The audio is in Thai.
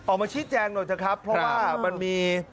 ออกมาชี้แจงหน่อยเถอะครับเพราะว่ามันมี